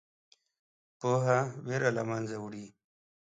پوهه ویره له منځه وړي.